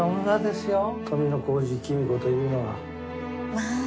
まあ。